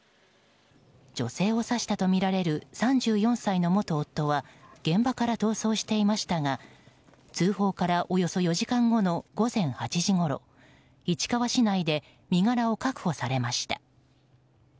女性を刺したとみられる３４歳の元夫は現場から逃走していましたが通報からおよそ４時間後の午前８時ごろ市川市内で身柄を確保されました。